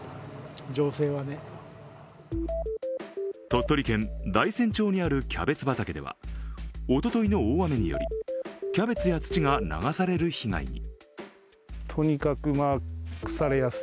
鳥取県大山町にあるキャベツ畑ではおとといの大雨によりキャベツや土が流される被害に。